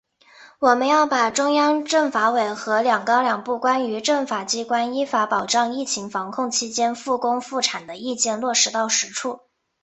我们要把中央政法委和‘两高两部’《关于政法机关依法保障疫情防控期间复工复产的意见》落到实处